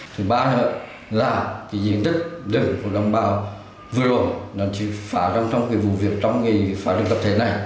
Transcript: thứ ba nữa là diện tích đừng của đồng bào vừa rồi nó chỉ phá rừng trong vụ việc trong phá rừng tập thể này